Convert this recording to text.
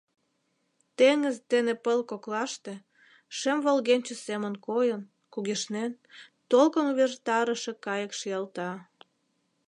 Теҥыз дене пыл коклаште, шем волгенче семын койын, кугешнен, толкын увертарыше кайык шиялта.